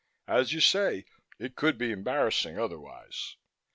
As you say, it could be embarrassing otherwise.